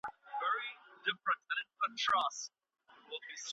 ارواپوهنه د زده کړي بهیر روښانه کوي.